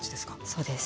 そうです。